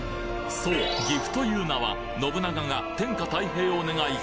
そう岐阜という名は信長が天下泰平を願い